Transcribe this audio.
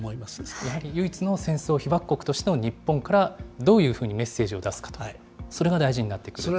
やはり唯一の戦争被爆国としての日本からどういうふうにメッセージを出すか、それが大事になってくると。